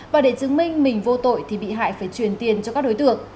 và để chứng minh mình vô tội thì bị hại phải truyền tiền cho các đối tượng